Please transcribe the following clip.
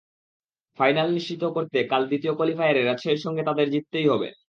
Final নিশ্চিত করতে কাল দ্বিতীয় কোয়ালিফায়ারে রাজশাহীর সঙ্গে তাঁদের জিততেই হবে।